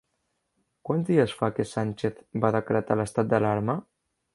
Quants dies fa que Sánchez va decretar l'estat d'alarma?